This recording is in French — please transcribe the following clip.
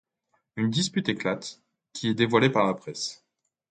Une dispute éclate, qui est dévoilée par la presse.